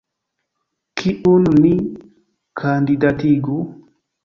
Kiun ni kandidatigu?